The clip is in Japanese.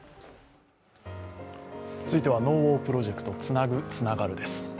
続いては「ＮＯＷＡＲプロジェクトつなぐ、つながる」